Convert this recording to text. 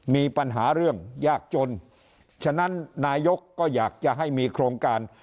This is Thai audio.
มีปัญหาเรื่องยากจนฉะนั้นนายกก็อยากจะให้มีโครงการ